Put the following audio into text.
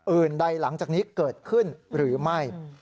อื่นใดหลังจากนี้เกิดขึ้นหรือไม่